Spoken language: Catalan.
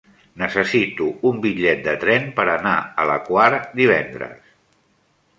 Necessito un bitllet de tren per anar a la Quar divendres.